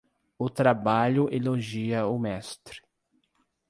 O trabalho elogia o mestre.